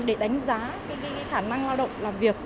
để đánh giá khả năng lao động làm việc